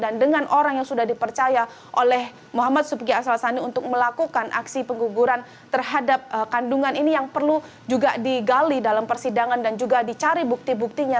dan dengan orang yang sudah dipercaya oleh muhammad supiqa asal sani untuk melakukan aksi pengguguran terhadap kandungan ini yang perlu juga digali dalam persidangan dan juga dicari bukti buktinya